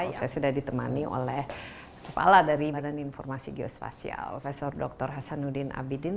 saya sudah ditemani oleh kepala dari badan informasi geospasial prof dr hasanuddin abidin